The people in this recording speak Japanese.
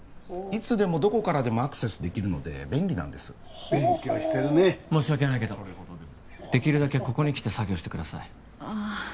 いつでもどこからでもアクセスできるので便利なんです勉強してるね申し訳ないけどできるだけここに来て作業してくださいああ